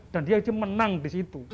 dan dia itu menang di situ